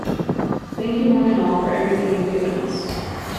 Thank you one and all for everything you've given us.